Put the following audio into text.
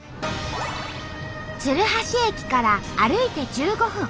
鶴橋駅から歩いて１５分。